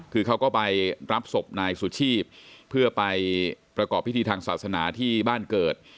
คือเขาก็ไปรับศพนายสุชีพเพื่อไปประกอบพิธีทางศาสนาที่บ้านเกิด